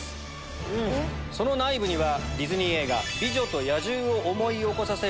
その内部には。